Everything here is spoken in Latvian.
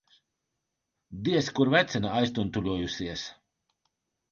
Diez kur vecene aiztuntuļojusies.